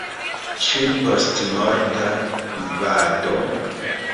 Ĉu postmorta vivado?